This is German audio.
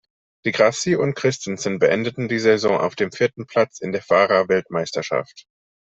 Di Grassi und Kristensen beendeten die Saison auf dem vierten Platz in der Fahrerweltmeisterschaft.